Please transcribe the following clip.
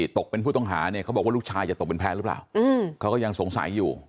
ตกเป็นผู้ต้องหาเนี่ยเขาบอกว่าลูกชายจะตกเป็นแพ้หรือเปล่าเขาก็ยังสงสัยอยู่